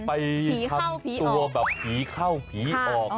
ไปทำตัวแบบผีเข้าผีออก